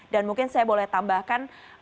dan mungkin saya boleh tambahkan